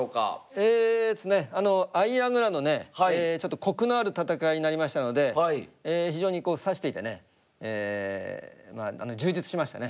え相矢倉のねちょっとコクのある戦いになりましたので非常に指していてね充実しましたね。